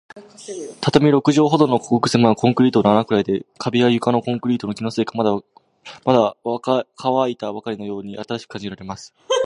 畳六畳敷きほどの、ごくせまいコンクリートの穴ぐらでした。壁や床のコンクリートも、気のせいか、まだかわいたばかりのように新しく感じられます。